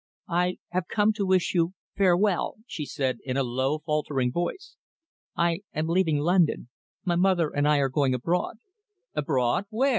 "I have come to wish you farewell," she said in a low, faltering voice. "I am leaving London. My mother and I are going abroad." "Abroad? Where?"